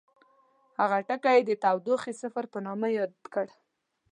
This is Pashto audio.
هغه ټکی یې د تودوخې صفر په نامه یاد کړ.